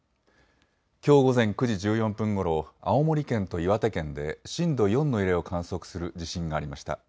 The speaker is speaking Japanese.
きょう午前９時１４分ごろ青森県と岩手県で震度４の揺れを観測する地震がありました。